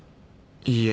いいえ。